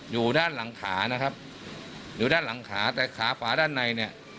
อยู่ด้านหลังขาอยู่ด้านหลังขาแต่ขาฝาด้านใน